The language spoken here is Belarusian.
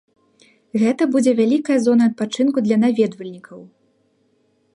Гэта будзе вялікая зона адпачынку для наведвальнікаў.